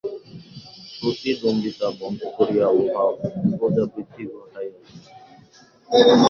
প্রতিদ্বন্দ্বিতা বন্ধ করিয়া উহা প্রজাবৃদ্ধি ঘটাইয়াছে।